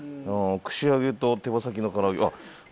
串揚げと手羽先の唐揚げ。